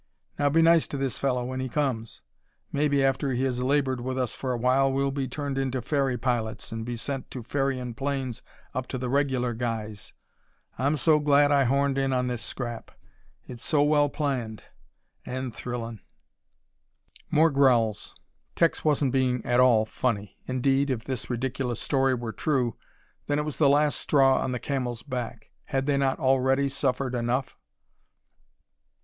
Now be nice to this fellow when he comes. Maybe after he has labored with us for a while we'll be turned into ferry pilots and be sent to ferryin' planes up to the regular guys. I'm so glad I horned in on this scrap; it's so well planned and and thrillin'." More growls. Tex wasn't being at all funny. Indeed, if this ridiculous story were true, then it was the last straw on the camel's back. Had they not already suffered enough?